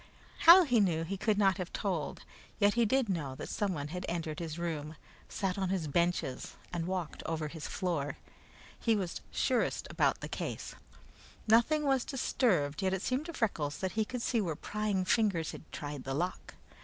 How he knew he could not have told, yet he did know that someone had entered his room, sat on his benches, and walked over his floor. He was surest around the case. Nothing was disturbed, yet it seemed to Freckles that he could see where prying fingers had tried the lock.